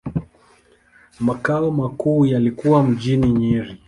Makao makuu yalikuwa mjini Nyeri.